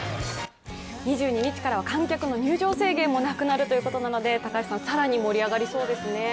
２２日からは観客の入場制限もなくなるということなので更に盛り上がりそうですね。